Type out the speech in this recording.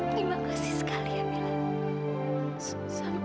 terima kasih sekali ya mila